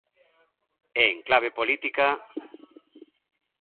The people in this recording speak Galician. E en clave política...